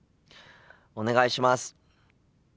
お願いします。